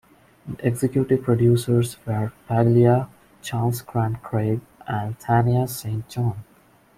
The executive producers were Paglia, Charles Grant Craig, and Thania Saint John.